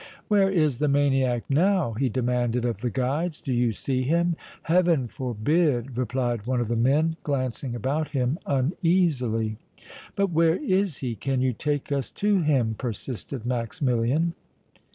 "Where is the maniac now?" he demanded of the guides. "Do you see him?" "Heaven forbid!" replied one of the men, glancing about him uneasily. "But where is he? Can you take us to him?" persisted Maximilian.